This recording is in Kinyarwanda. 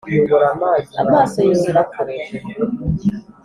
amaso yuzura akanwa.